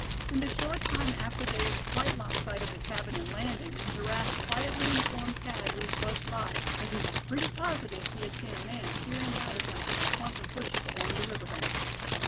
And a short time after they had quite lost sight of the cabin and landing, Giraffe quietly informed Thad, who was close by, that he was pretty positive he had seen a man peering out at them from a clump of bushes along the river bank.